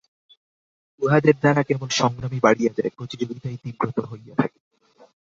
উহাদের দ্বারা কেবল সংগ্রামই বাড়িয়া যায়, প্রতিযোগিতাই তীব্রতর হইয়া থাকে।